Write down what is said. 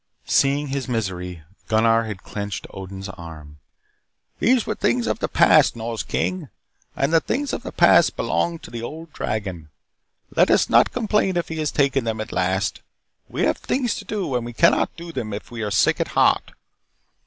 Seeing his misery, Gunnar had clutched Odin's arm. "These were things of the past, Nors King, and the things of the past belong to the old dragon. Let us not complain if he has taken them at last. We have things to do and we cannot do them if we are sick at heart.